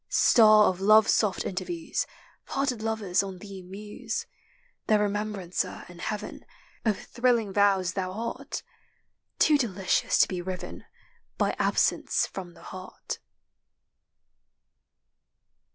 Star of love's soft interviews, Parted lovers on thee muse ; Their remembrancer in heaven Of thrilling vows thou art, Too delicious to be riven By absence from the heart.